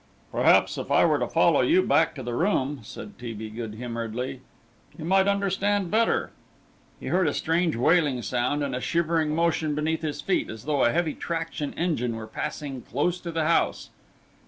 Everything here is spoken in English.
"Perhaps if I were to follow you back to the room," said T. B. good humouredly, "you might understand better." He heard a strange wailing sound and a shivering motion beneath his feet, as though a heavy traction engine were passing close to the house.